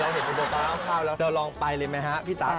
เราเห็นตัวป้าข้าวแล้วเราลองไปเลยมั้ยฮะพี่ตา